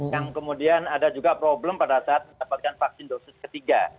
yang kemudian ada juga problem pada saat mendapatkan vaksin dosis ketiga